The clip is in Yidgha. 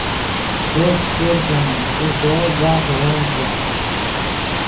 زو چے کرکینیم تو خوو بخݰ ݱومتے